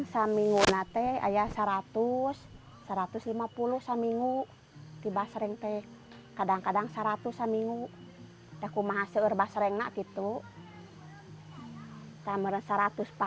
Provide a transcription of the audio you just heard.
di basreng ada seratus satu ratus lima puluh di basreng kadang kadang seratus di basreng ada seratus itu basreng itu